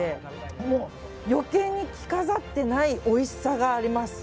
もう、余計に着飾ってないおいしさがあります。